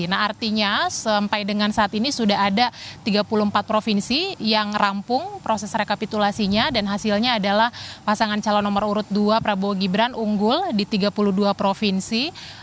nah artinya sampai dengan saat ini sudah ada tiga puluh empat provinsi yang rampung proses rekapitulasinya dan hasilnya adalah pasangan calon nomor urut dua prabowo gibran unggul di tiga puluh dua provinsi